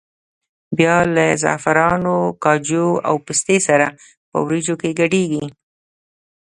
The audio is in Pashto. بیا له زعفرانو، کاجو او پستې سره په وریجو کې ګډېږي.